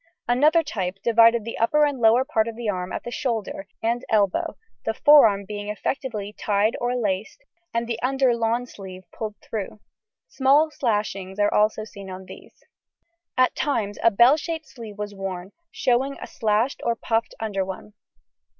Another type divided the upper and lower part of the arm at the shoulder and elbow, the forearm being effectively tied or laced, and the under lawn sleeve pulled through; small slashings are also seen on these. At times a bell shaped sleeve was worn, showing a slashed or puffed under one.